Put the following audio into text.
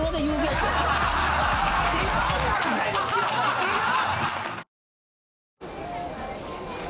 違う！